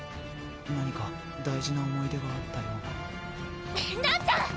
何か大事な思い出があったようならんちゃん！